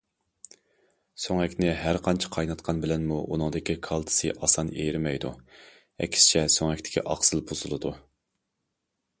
سۆڭەكنى ھەرقانچە قايناتقان بىلەنمۇ ئۇنىڭدىكى كالتسىي ئاسان ئېرىمەيدۇ، ئەكسىچە سۆڭەكتىكى ئاقسىل بۇزۇلىدۇ.